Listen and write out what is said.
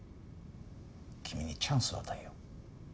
君にチャンスを与えよう。